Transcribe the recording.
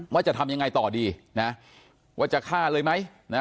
ว่าจะทำยังไงต่อดีนะว่าจะฆ่าเลยไหมนะ